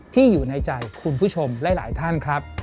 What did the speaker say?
อยู่ในใจคุณผู้ชมหลายท่านครับ